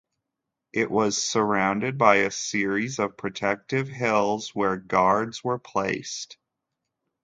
It was surrounded by a series of protective hills where guards were placed.